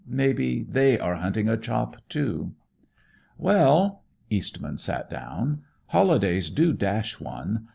Maybe they are hunting a chop, too." "Well" Eastman sat down "holidays do dash one.